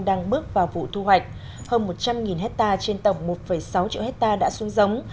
đang bước vào vụ thu hoạch hơn một trăm linh hectare trên tổng một sáu triệu hectare đã xuống giống